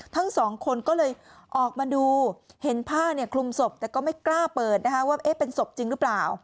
ทั้งสองคนก็เลยออกมาดูเห็นผ้าเนี่ยคลุมศพแต่ก็ไม่กล้าเปิดนะคะว่าเป็นศพจริงหรือเปล่า